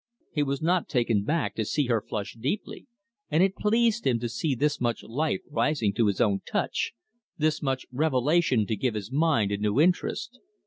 He was not taken back to see her flush deeply, and it pleased him to see this much life rising to his own touch, this much revelation to give his mind a new interest.